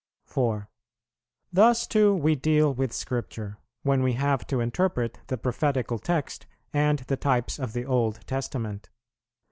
4. Thus too we deal with Scripture, when we have to interpret the prophetical text and the types of the Old Testament.